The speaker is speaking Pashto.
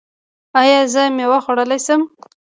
ایا زه میوه خوړلی شم؟